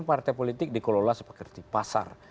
partai politik dikelola seperti pasar